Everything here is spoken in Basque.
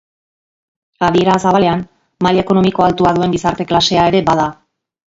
Adiera zabalean, maila ekonomiko altua duen gizarte-klasea ere bada.